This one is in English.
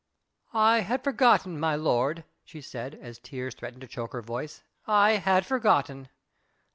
"I had forgotten, my lord," she said, as tears threatened to choke her voice, "I had forgotten."